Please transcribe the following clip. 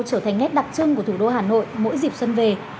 trở thành nét đặc trưng của thủ đô hà nội mỗi dịp xuân về